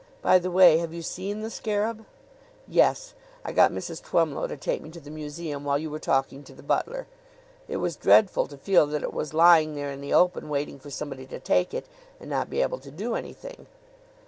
By the way, have you seen the scarab?" "Yes; I got Mrs. Twemlow to take me to the museum while you were talking to the butler. It was dreadful to feel that it was lying there in the open waiting for somebody to take it, and not be able to do anything."